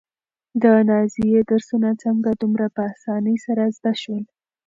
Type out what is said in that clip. د نازيې درسونه څنګه دومره په اسانۍ سره زده شول؟